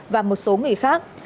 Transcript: và một số người khác